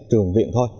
trường viện thôi